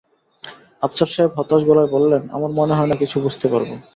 আফসার সাহেব হতাশ গলায় বললেন, আমার মনে হয়না কিছু বুঝতে পারব।